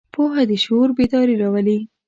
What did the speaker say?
پوهه د شعور بیداري راولي.